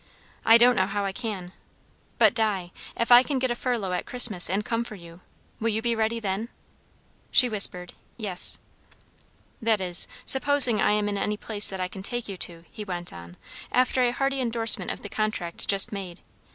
"I don't know how I can! But, Di if I can get a furlough at Christmas and come for you will you be ready then?" She whispered, "Yes." "That is, supposing I am in any place that I can take you to," he went on, after a hearty endorsement of the contract just made.